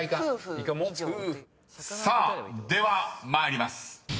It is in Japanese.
［さあでは参ります］